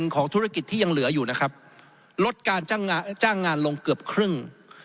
ของธุรกิจที่ยังเหลืออยู่นะครับลดการจ้างงานลงเกือบครึ่ง